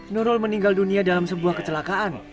nurul meninggal dunia dalam sebuah kecelakaan